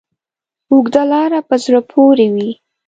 اوږده لاره په زړه پورې وي.